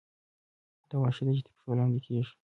دا واښه دي چې تر پښو لاندې کېږي.